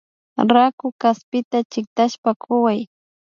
Raku kaspita chiktashpa kuway